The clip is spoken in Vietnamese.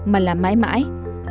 mà là mãi mãi